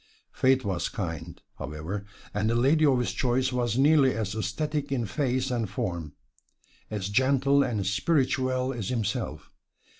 Fate was kind, however, and the lady of his choice was nearly as esthetic in face and form, as gentle and spirituelle as himself.